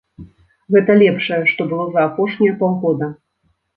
Гэта лепшае, што было за апошнія паўгода.